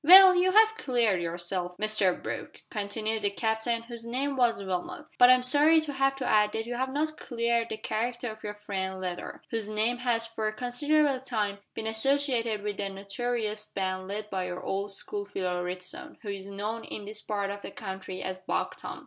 "Well, you have cleared yourself, Mr Brooke," continued the Captain, whose name was Wilmot, "but I'm sorry to have to add that you have not cleared the character of your friend Leather, whose name has for a considerable time been associated with the notorious band led by your old school fellow Ritson, who is known in this part of the country as Buck Tom.